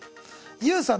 ＹＯＵさん。